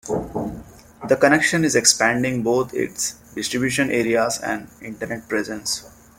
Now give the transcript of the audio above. The "Connection" is expanding both its distribution areas and internet presence.